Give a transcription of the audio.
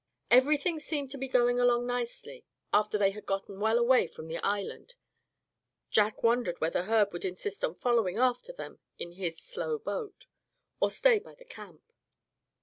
Everything seemed to be going along nicely, after they had gotten well away from the island. Jack wondered whether Herb would insist on following after them in his slow boat, or stay by the camp.